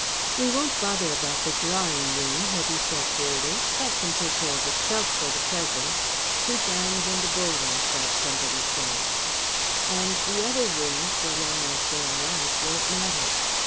"We won't bother about the drawing room," Hetty said gaily. "That can take care of itself for the present. Two fans and a bulrush as somebody says. And the other rooms, so long as they are light, won't matter.